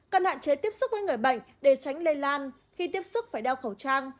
cần hạn chế tiếp xúc với người bệnh để tránh lây lan khi tiếp xúc phải đeo khẩu trang